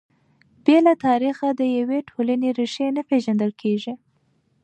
بې له تاریخه د یوې ټولنې ريښې نه پېژندل کیږي.